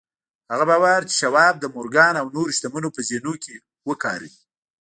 هغه باور چې شواب د مورګان او نورو شتمنو په ذهنونو کې وکاره.